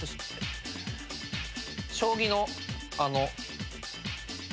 将棋のあの。